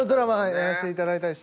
やらせていただいたりしてた。